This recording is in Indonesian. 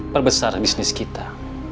perbesar bisnis kita